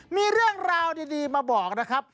มีเรื่องราวดีมาบอกนะครับ